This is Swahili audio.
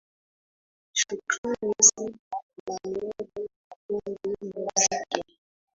shukrani sana emanuel makundi muziki